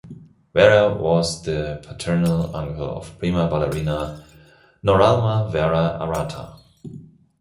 Vera was the paternal uncle of Prima Ballerina Noralma Vera Arrata.